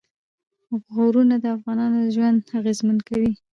غرونه د افغانانو ژوند اغېزمن کوي.